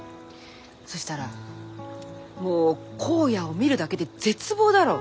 そしたらもう荒野を見るだけで絶望だろ？